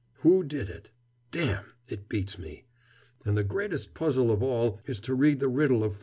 Who did it? Damme, it beats me, and the greatest puzzle of all is to read the riddle of Furneaux."